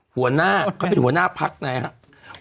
หัวหน้าเขาเป็นหัวหน้าพักนะครับ